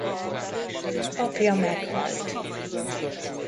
Apja meghalt.